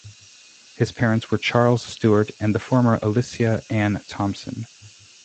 His parents were Charles Stuart and the former Alicia Ann Thompson.